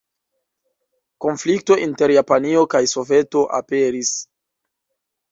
Konflikto inter Japanio kaj Soveto aperis.